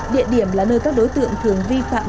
địa điểm là nơi các đối tượng thường vi phạm